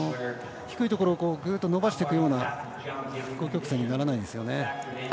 低いところをぐーっと伸ばしていくような飛行曲線にならないですよね。